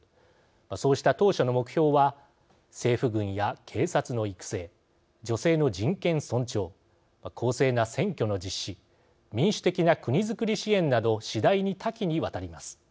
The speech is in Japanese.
そうした当初の目標は政府軍や警察の育成女性の人権尊重公正な選挙の実施民主的な国づくり支援など次第に多岐にわたります。